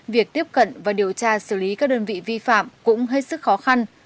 việc tiếp cận và điều tra xử lý các đơn vị vi phạm cũng hết sức khó khăn